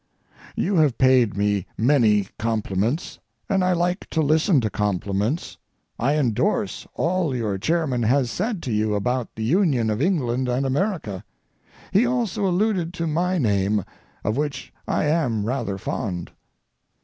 You have paid me many compliments, and I like to listen to compliments. I indorse all your chairman has said to you about the union of England and America. He also alluded to my name, of which I am rather fond.